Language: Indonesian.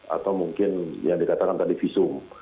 atau mungkin yang dikatakan tadi visum